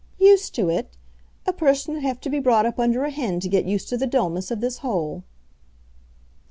"Used to it! A person 'ud hev to be brought up onder a hen to git used to the dullness of this hole."